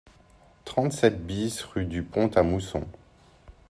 trente-sept BIS rue de Pont A Mousson